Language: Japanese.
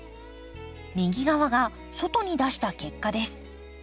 右側が外に出した結果です。